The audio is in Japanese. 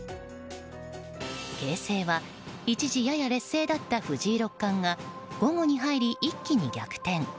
形勢は、一時やや劣勢だった藤井六冠が午後に入り一気に逆転。